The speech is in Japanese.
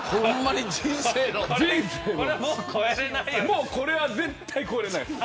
もうこれは絶対超えられない。